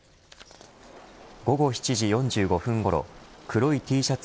午後７時４５分ごろ黒いＴシャツ